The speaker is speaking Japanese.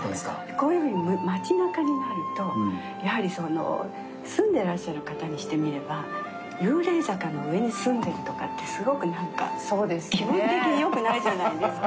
こういうふうに町なかになるとやはり住んでらっしゃる方にしてみれば幽霊坂の上に住んでるとかってすごく何か気分的によくないじゃないですか。